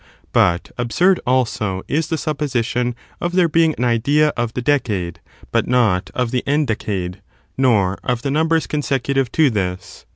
But absurd, also, is the supposition of there being an idea of the decade, but not of the endecade, nor of the numbers consecutive to this.